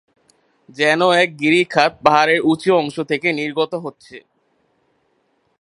যেন একটি গিরিখাত, পাহাড়ের উঁচু অংশ থেকে নির্গত হচ্ছে।